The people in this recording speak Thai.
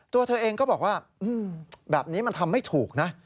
ตัวเธอเองก็บอกว่าแบบนี้มันทำไม่ถูกนะ